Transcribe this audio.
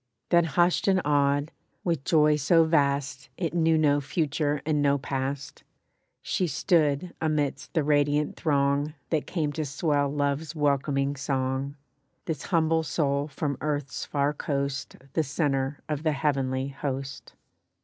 Then hushed and awed, with joy so vast It knew no future and no past, She stood amidst the radiant throng That came to swell love's welcoming song— This humble soul from earth's far coast The center of the heavenly host.